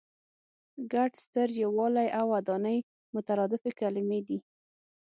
ګډ، ستر، یووالی او ودانۍ مترادفې کلمې دي.